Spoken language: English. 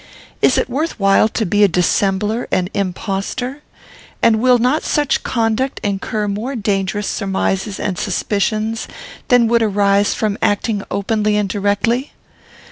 Is it worth while to be a dissembler and impostor? And will not such conduct incur more dangerous surmises and suspicions than would arise from acting openly and directly?